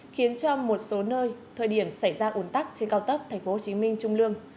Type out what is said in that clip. khiến cho một số nơi thời điểm xảy ra ủn tắc trên cao tốc tp hcm trung lương